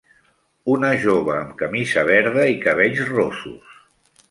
Una jove amb camisa verda i cabells rossos.